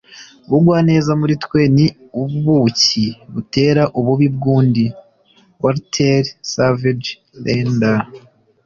ubugwaneza muri twe ni ubuki butera ububi bw'undi. - walter savage landor